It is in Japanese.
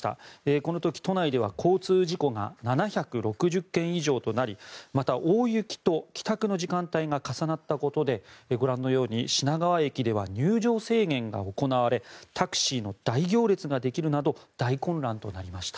この時、都内では交通事故が７６０件以上となりまた、大雪と帰宅の時間帯が重なったことでご覧のように品川駅では入場制限が行われタクシーの大行列ができるなど大混乱となりました。